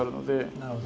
なるほど。